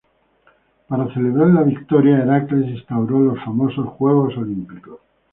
Para celebrar la victoria, Heracles instauró los famosos juegos olímpicos.